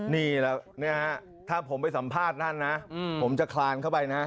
นี่แหละถ้าผมไปสัมภาษณ์ท่านนะผมจะคลานเข้าไปนะ